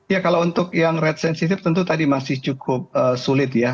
ya kalau untuk yang rate sensitif tentu tadi masih cukup sulit ya